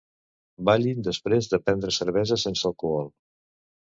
Ballin després de prendre cervesa sense alcohol.